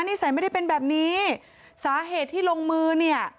นิสัยไม่ได้เป็นแบบนี้สาเหตุที่ลงมือเนี่ย